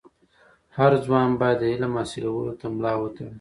هر ځوان باید د علم حاصلولو ته ملا و تړي.